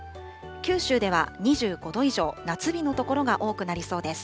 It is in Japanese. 九州では２５度以上、夏日の所が多くなりそうです。